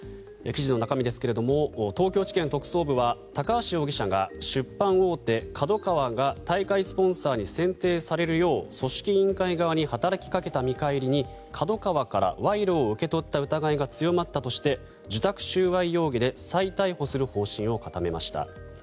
記事の中身ですが東京地検特捜部は高橋容疑者が出版大手ＫＡＤＯＫＡＷＡが大会スポンサーに選定されるよう組織委員会側に働きかけた見返りにＫＡＤＯＫＡＷＡから賄賂を受け取った疑いが強まったとして受託収賄容疑で再逮捕する方針を固めました。